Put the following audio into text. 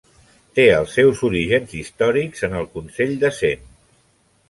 Té els seus orígens històrics en el Consell de Cent.